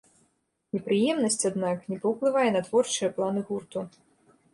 Непрыемнасць, аднак, не паўплывае на творчыя планы гурту.